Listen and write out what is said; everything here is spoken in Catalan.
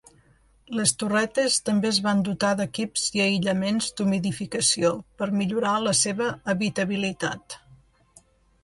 Les torretes també es van dotar d'equips i aïllaments d'humidificació per millorar la seva habitabilitat.